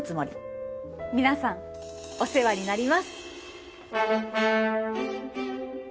皆さんお世話になります。